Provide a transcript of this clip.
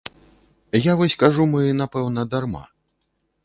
Я вось кажу мы, напэўна, дарма.